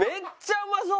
「うまそう！」